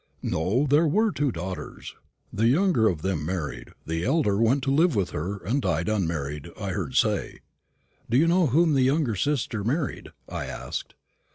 "No; there were two daughters. The younger of them married; the elder went to live with her and died unmarried, I've heard say." "Do you know whom the younger sister married?" I asked.